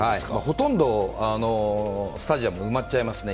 ほとんどスタジアム埋まっちゃいますね